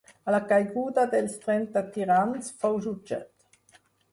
A la caiguda dels Trenta Tirans fou jutjat.